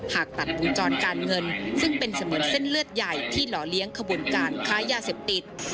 หากตัดวงจรการเงินซึ่งเป็นเสมือนเส้นเลือดใหญ่ที่หล่อเลี้ยงขบวนการค้ายาเสพติด